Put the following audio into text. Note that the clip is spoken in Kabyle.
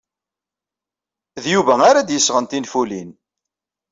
D Yuba ara d-yesɣen tinfulin.